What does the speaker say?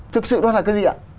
thực sự đó là cái gì ạ